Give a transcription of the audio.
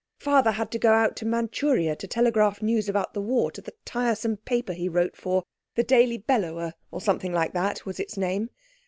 Father had to go out to Manchuria to telegraph news about the war to the tiresome paper he wrote for—the Daily Bellower, or something like that, was its name.